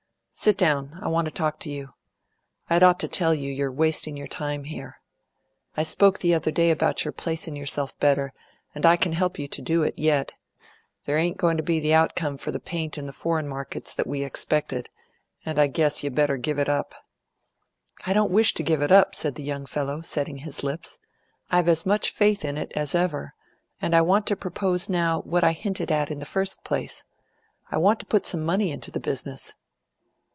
"Sit down. I want to talk to you. I'd ought to tell you you're wasting your time here. I spoke the other day about your placin' yourself better, and I can help you to do it, yet. There ain't going to be the out come for the paint in the foreign markets that we expected, and I guess you better give it up." "I don't wish to give it up," said the young fellow, setting his lips. "I've as much faith in it as ever; and I want to propose now what I hinted at in the first place. I want to put some money into the business."